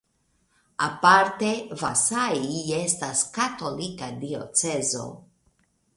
Aparte Vasai estas katolika diocezo.